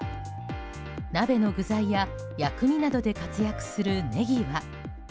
鍋の具材や薬味などで活躍するネギは。